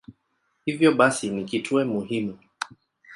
Hivyo basi ni kituo muhimu.